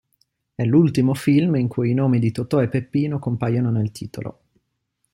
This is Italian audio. È l'ultimo film in cui i nomi di Totò e Peppino compaiono nel titolo.